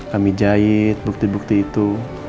kami jahit bukti bukti itu